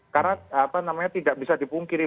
karena apa namanya tidak bisa dipungkiri